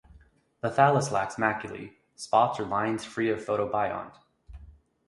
The thallus lacks maculae (spots or lines free of photobiont).